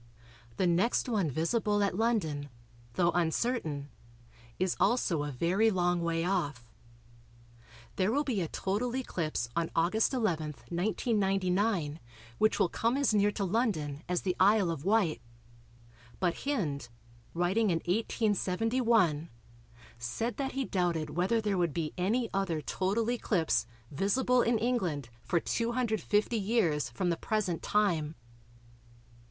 The next one visible at London, though uncertain, is also a very long way off. There will be a total eclipse on August 11, 1999, which will come as near to London as the Isle of Wight, but Hind, writing in 1871, said that he doubted whether there would be any other total eclipse "visible in England for 250 years from the present time."